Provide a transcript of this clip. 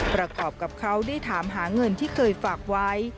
ประกอบกับเขาได้ถามหาเงินที่เคยฝากไว้